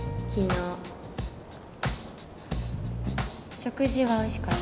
食事はおいしかった。